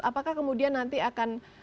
apakah kemudian nanti akan